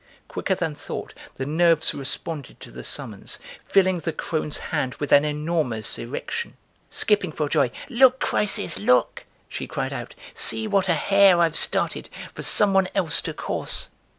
Quicker than thought the nerves responded to the summons, filling the crone's hand with an enormous erection! Skipping for joy, "Look, Chrysis, look," she cried out, "see what a hare I've started, for someone else to course!"